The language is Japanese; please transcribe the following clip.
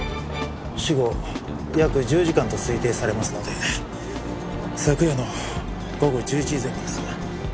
死後約１０時間と推定されますので昨夜の午後１１時前後です。